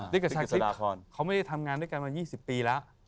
กับชาคริสเขาไม่ได้ทำงานด้วยกันมา๒๐ปีแล้ว